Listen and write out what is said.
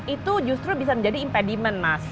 itu justru bisa menjadi impediment mas